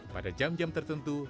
pada jam jam tertentu